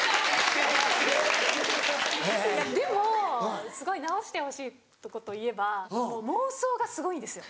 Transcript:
でもすごい直してほしいとこといえば妄想がすごいんですよ。